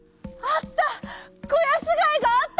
「あった！